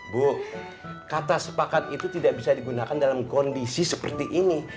bu kata sepakat itu tidak bisa digunakan dalam kondisi seperti ini